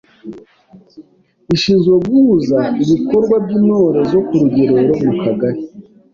Ishinzwe guhuza ibikorwa by’Intore zo ku rugerero mu Kagari.